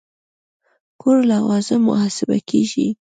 کور لوازم محاسبه کېږي.